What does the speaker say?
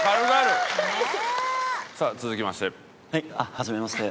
はじめまして。